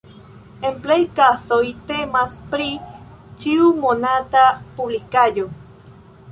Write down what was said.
En plej kazoj temas pri ĉiumonata publikaĵo.